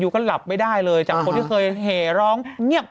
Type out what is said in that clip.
ก็หลับไม่ได้เลยจากคนที่เคยแห่ร้องเงียบ